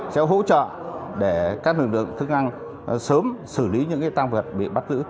sẽ hỗ trợ để các lực lượng chức năng sớm xử lý những tăng vật bị bắt tử